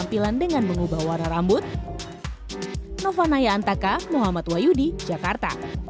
nampilan dengan mengubah warna rambut